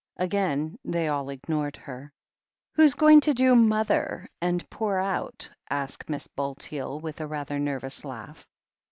Again they all ignored her. "Who's going to do 'mother,' and pour out ?" asked Mrs. Bulteel with a rather nervous laugh.